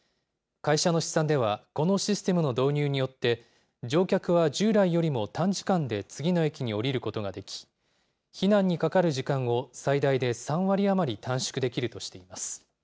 会社の試算では、このシステムの導入によって、乗客は従来よりも短時間で次の駅に降りることができ、避難にかかる時間を最大で３割余り短縮できるとしています。